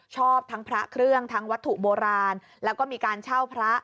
ชอบทั้งพระเครื่องทั้งวัตถุโบราณแล้วก็มีการเช่าพระ